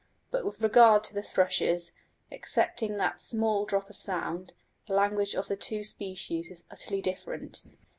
But with regard to the thrushes, excepting that small drop of sound, the language of the two species is utterly different.